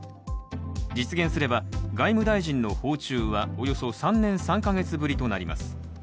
実現すれば外務大臣の訪中はおよそ３年３か月ぶりとなります。